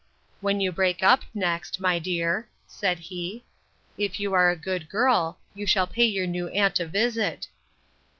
When you break up next, my dear, said he, if you are a good girl, you shall pay your new aunt a visit.